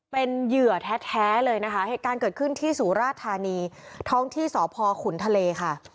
เป็นเหยื่อแท้เลยนะคะเหตุการณ์เกิดขึ้นที่สุราธานีท้องที่สพขุนทะเลค่ะ